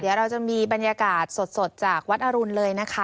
เดี๋ยวเราจะมีบรรยากาศสดจากวัดอรุณเลยนะคะ